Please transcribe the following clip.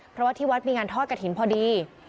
เพราะว่าที่วัดมีงานทอดกระถิ่นพอดี